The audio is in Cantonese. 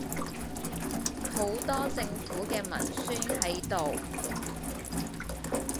好多政府既文宣係度